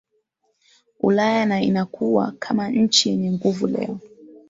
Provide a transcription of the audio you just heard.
Ulaya na inakua kama nchi yenye nguvu Leo